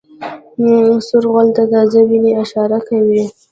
سور غول د تازه وینې اشاره کوي.